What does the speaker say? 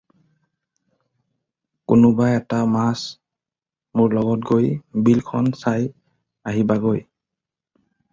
কোনোবা এটা মাছ মোৰ লগত গৈ বিলখন চাই আহিবাগৈ।